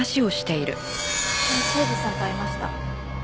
刑事さんと会いました。